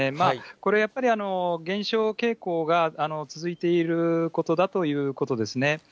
これやっぱり、減少傾向が続いていることだということですね。